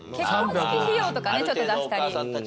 結婚式費用とかねちょっと出したり。